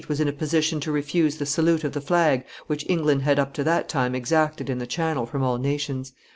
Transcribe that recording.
was in a position to refuse the salute of the flag which the English had up to that time exacted in the Channel from all nations.